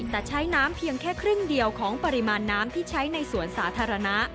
แต่ใช้น้ำเพียงแค่ครึ่งเดียวของปริมาณน้ำที่ใช้ในสวนสาธารณะ